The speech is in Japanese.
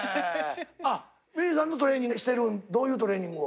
あｍｉｌｅｔさんもトレーニングしてるどういうトレーニングを？